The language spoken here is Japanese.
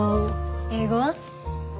英語は？